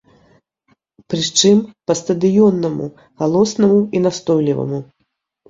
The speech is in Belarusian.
Пры чым, па-стадыённаму галоснаму і настойліваму.